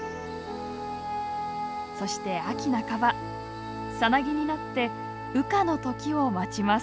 そして秋半ばサナギになって羽化の時を待ちます。